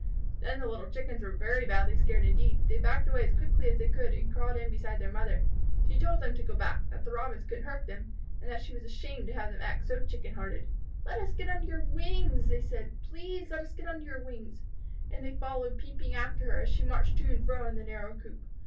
Then the little Chickens were very badly scared indeed. They backed away as quickly as they could, and crawled in beside their mother. She told them to go back; that the Robins couldn't hurt them, and that she was ashamed to have them act so Chicken hearted. "Let us get under your wings!" they said. "Please let us get under your wings!" And they followed, peeping, after her, as she marched to and fro in the narrow coop.